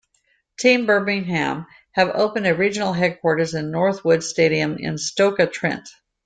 Team Birmingham have opened a regional headquarters at Northwood Stadium in Stoke-on-Trent.